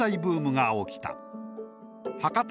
博多